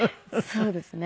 そうですね。